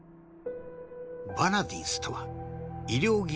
ヴァナディースとは医療技術